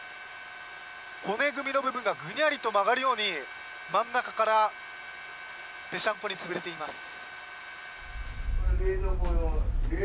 骨組みの部分がぐにゃりと曲がるように真ん中からぺしゃんこに潰れています。